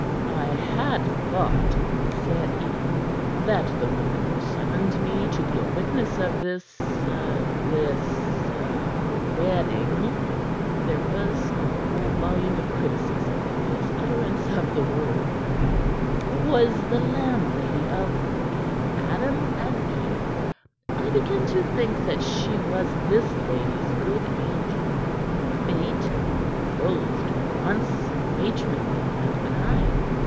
"I had thought," said he, "that the woman who summoned me to be a witness of this this ah wedding" there was a whole volume of criticism in his utterance of the word "was the landlady of the 'Adam and Eve.' I begin to think that she was this lady's good angel; Fate, clothed, for once, matronly and benign."